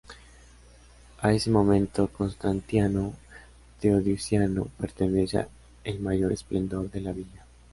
A este momento constantiniano-teodosiano pertenece el mayor esplendor de la villa.